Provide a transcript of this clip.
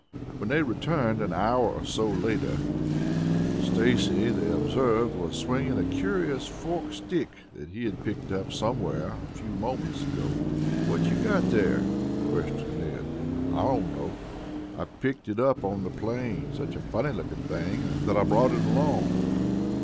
When they returned an hour or so later, Stacy, they observed, was swinging a curious forked stick that he had picked up somewhere a few moments ago. "What you got there?" questioned Ned. "Don't know. Picked it up on the plain. Such a funny looking thing, that I brought it along."